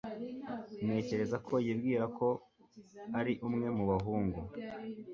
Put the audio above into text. ntekereza ko bishoboka ko yibwira ko ari umwe mu bahungu